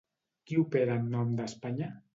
Qui opera en nom d'Espanya?